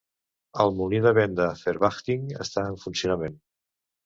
El molí de vent "De Verwachting" està en funcionament.